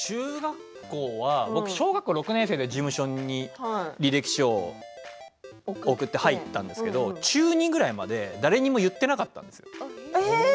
僕は小学校６年生で事務所に履歴書を送って入ったんですけれど中２ぐらいまで誰にも言っていなかったんです。